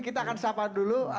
kita akan sabar dulu